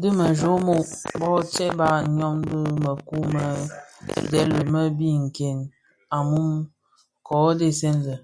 Dhi me jommog mōō tsebbag myom bi mëkuu më ndhèli më bi nken a mum kō dhesè lè.